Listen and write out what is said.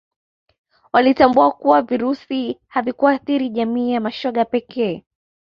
walitambua kuwa virusi havikuathiri jamii ya mashoga pekee